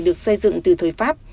được xây dựng từ thời pháp